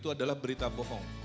itu adalah berita bohong